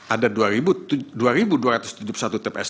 ada dua dua ratus tujuh puluh satu tps